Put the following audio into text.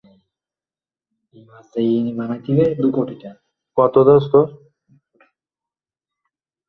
আমার মামার বাড়ি রাজশাহীতে।